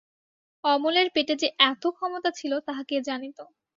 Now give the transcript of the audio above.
অমলের পেটে যে এত ক্ষমতা ছিল তাহা কে জানিত।